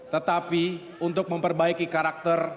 tetapi untuk memperbaiki karakter